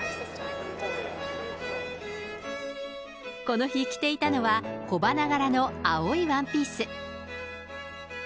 この日、着ていたのは小花柄の青いワンピース。